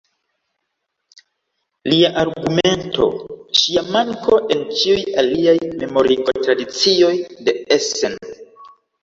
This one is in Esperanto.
Lia argumento: Ŝia manko en ĉiuj aliaj memorigo-tradicioj de Essen.